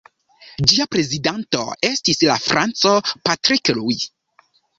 Ĝia prezidanto estis la franco Patrick Louis.